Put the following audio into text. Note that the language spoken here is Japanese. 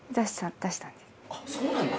あっそうなんだ。